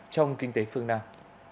trong kinh tế phương nam